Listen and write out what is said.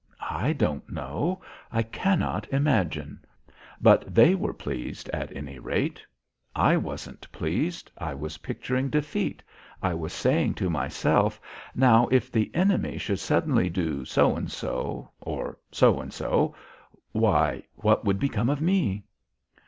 I don't know. I cannot imagine. But they were pleased, at any rate. I wasn't pleased. I was picturing defeat. I was saying to myself: "Now if the enemy should suddenly do so and so, or so and so, why what would become of me?"